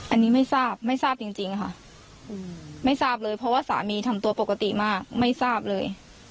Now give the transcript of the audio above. อันนี้ไม่ทราบไม่ทราบจริงค่ะไม่ทราบเลยเพราะว่าสามีทำตัวปกติมากไม่ทราบเลย